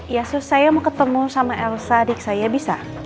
yesus saya mau ketemu sama elsa adik saya bisa